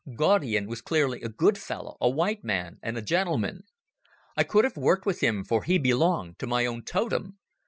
Gaudian was clearly a good fellow, a white man and a gentleman. I could have worked with him for he belonged to my own totem.